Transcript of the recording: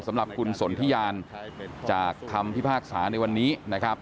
สำหรับคุณสนทิยานจากคำพิพากษาในวันนี้นะครับ